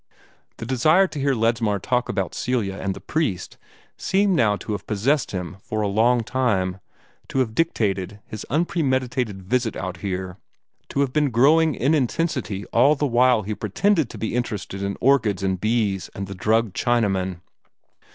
The desire to hear Ledsmar talk about Celia and the priest seemed now to have possessed him for a long time, to have dictated his unpremeditated visit out here, to have been growing in intensity all the while he pretended to be interested in orchids and bees and the drugged Chinaman.